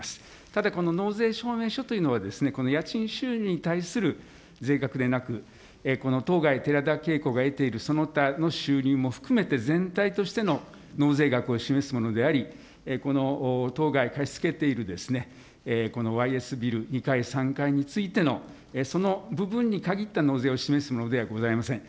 ただ、この納税証明書というのは、この家賃収入に対する税額でなく、この当該、寺田慶子が得ている、その他の収入も含めて全体としての納税額を示すものであり、この当該貸し付けている、このわいえすビル２階、３階についてのその部分に限った納税を示すものではございません。